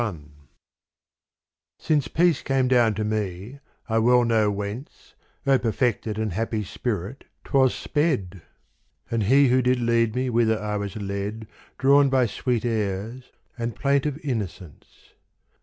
LXI SINCE peace came down to me, I well know whence, O perfected and happy spirit, 't was sped : And who did lead me whither I was led, Drawn by sweet airs and plaintive innocence.